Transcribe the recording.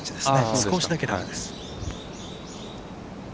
少しだけラフです。